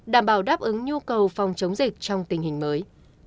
đảm bảo đáp ứng nhu cầu phòng chống dịch trong tình hình mới